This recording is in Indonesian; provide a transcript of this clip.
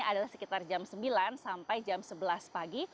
adalah sekitar jam sembilan sampai jam sebelas pagi